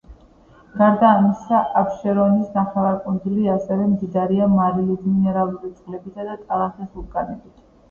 გარდა ამისა, აფშერონის ნახევარკუნძული ასევე მდიდარია მარილით, მინერალური წყლებითა და ტალახის ვულკანებით.